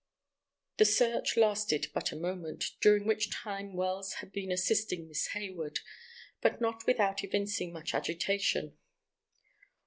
The search lasted but a moment, during which time Wells had been assisting Miss Hayward, but not without evincing much agitation.